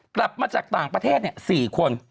กลับมาจากต่างประเทศ๔คน